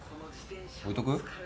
置いとく？